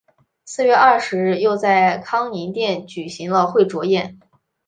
四月二十日又在康宁殿举行了会酌宴。